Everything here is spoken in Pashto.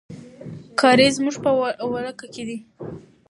کارېز زموږ په ولکه کې راځي.